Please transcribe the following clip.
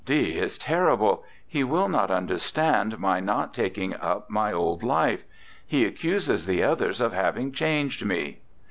D is terrible; he will not understand my not taking up my old life; he accuses the others of having changed me.